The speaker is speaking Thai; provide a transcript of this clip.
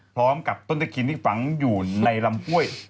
พร้อมกับต้นตะเคียนที่ฝังอยู่ในลำห้วย